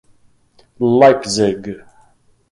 Leipzig.